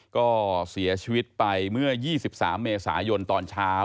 ก็เสียชีวิตไปเมื่อ๒๓เมษายนตอนเช้า